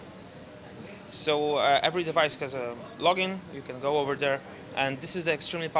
setiap kursus memiliki login dan ini adalah alat yang sangat kuat karena tidak hanya